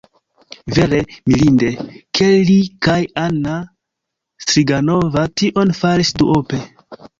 Vere mirinde, ke li kaj Anna Striganova tion faris duope.